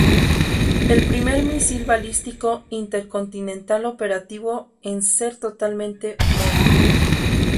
El primer misil balístico intercontinental operativo en ser totalmente móvil.